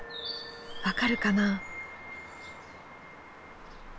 分かるかな？